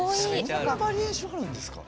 そんなバリエーションあるんですか。